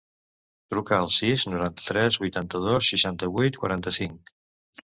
Truca al sis, noranta-tres, vuitanta-dos, seixanta-vuit, quaranta-cinc.